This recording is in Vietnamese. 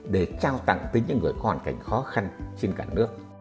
để trao tặng tới những người có hoàn cảnh khó khăn trên cả nước